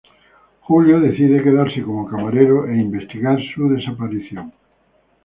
Julio decide quedarse como camarero e investigar su desaparición.